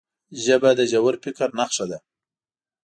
ژبه د ژور فکر نښه ده